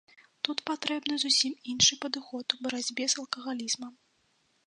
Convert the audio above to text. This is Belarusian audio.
Тут патрэбны зусім іншы падыход у барацьбе з алкагалізмам.